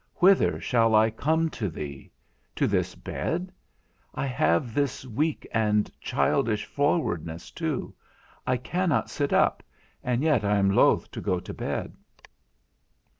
Whither shall I come to thee? To this bed? I have this weak and childish frowardness too, I cannot sit up, and yet am loth to go to bed.